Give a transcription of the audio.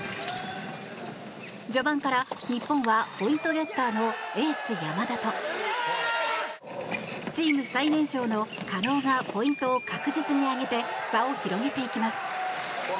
序盤から日本はポイントゲッターのエース、山田とチーム最年少の加納がポイントを確実に挙げて差を広げていきます。